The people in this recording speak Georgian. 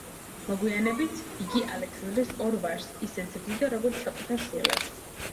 მოგვიანებით იგი ალექსანდრუს ორ ვაჟს ისე ზრდიდა, როგორც საკუთარ შვილებს.